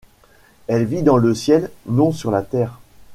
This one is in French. Elle vit dans le ciel, non sur la terre !